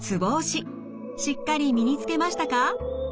しっかり身につけましたか？